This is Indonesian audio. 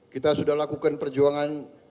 kita sudah lakukan perjuangan